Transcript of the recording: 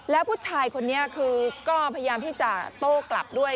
แล้วผู้ชายคนนี้คือก็พยายามที่จะโต้กลับด้วย